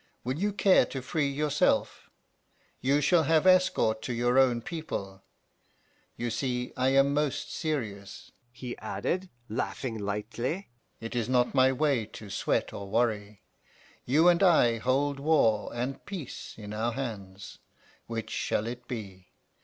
Will you care to free yourself? You shall have escort to your own people. You see I am most serious,' he added, laughing lightly. 'It is not my way to sweat or worry. You and I hold war and peace in our hands. Which shall it be?